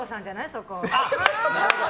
そこ。